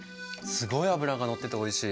すごい脂がのってておいしい。